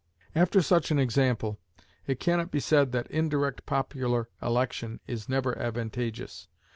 After such an example, it can not be said that indirect popular election is never advantageous.